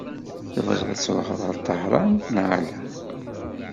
Tebɣiḍ ad truḥeḍ ɣer Tahran neɣ ala?